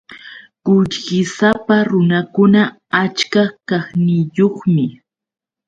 Qullqisapa runakuna achka kaqniyuqmi.